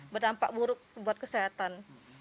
berdampak buruk buat kesehatan